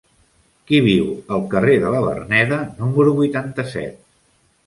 Qui viu al carrer de la Verneda número vuitanta-set?